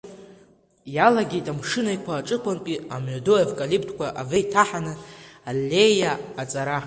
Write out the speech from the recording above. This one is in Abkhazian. Иалагеит Амшын Еиқәа аҿықәантәи амҩаду аевкалиптқәа авеиҭаҳаны аллеиа ҟаҵара.